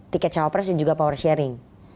tiket cawapres dan juga power sharing